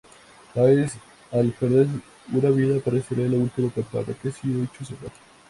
Tails, al perder una vida, aparecerá en la última campana que haya hecho sonar.